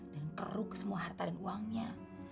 dan keruk semua harta dan uangnya